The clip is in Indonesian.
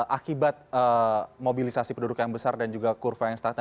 akibat mobilisasi penduduk yang besar dan juga kurva yang stagnan